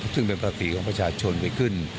ซึ่งเป็นภาษีของประชาชนไปขึ้น